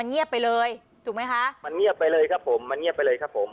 เงียบไปเลยถูกไหมคะมันเงียบไปเลยครับผมมันเงียบไปเลยครับผม